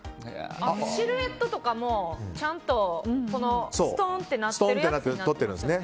シルエットとかもちゃんとストンとなってるやつなんですね。